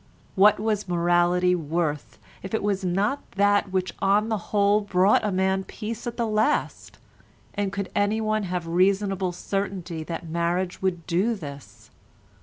What was morality worth if it was not that which on the whole brought a man peace at the last, and could anyone have reasonable certainty that marriage would do this?